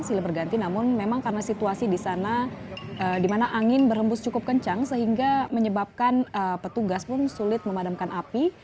silih berganti namun memang karena situasi di sana di mana angin berhembus cukup kencang sehingga menyebabkan petugas pun sulit memadamkan api